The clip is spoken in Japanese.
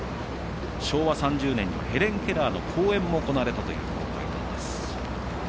昭和３０年にはヘレン・ケラーの講演も行われたという公会堂です。